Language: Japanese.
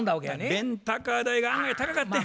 レンタカー代が案外高かってん。